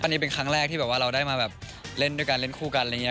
อันนี้เป็นครั้งแรกที่แบบว่าเราได้มาแบบเล่นด้วยกันเล่นคู่กันอะไรอย่างนี้